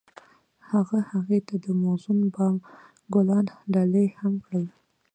هغه هغې ته د موزون بام ګلان ډالۍ هم کړل.